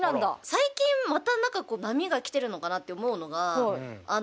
最近また波が来てるのかなって思うのがああ。